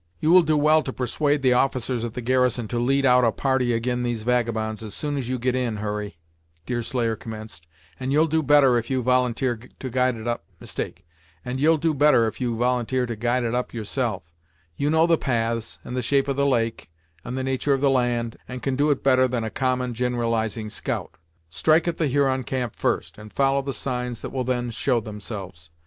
"You will do well to persuade the officers at the garrison to lead out a party ag'in these vagabonds as soon as you git in, Hurry," Deerslayer commenced; "and you'll do better if you volunteer to guide it up yourself. You know the paths, and the shape of the lake, and the natur' of the land, and can do it better than a common, gin'ralizing scout. Strike at the Huron camp first, and follow the signs that will then show themselves.